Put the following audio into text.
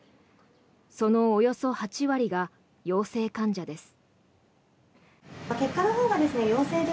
そのおよそ８割が陽性患者です。